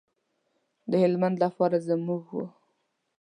د هلمند لپاره زموږ و.